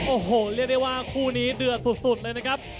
โอ้โหเรียกได้ว่าคู่นี้เดือดสุดเลยนะครับ